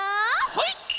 はい。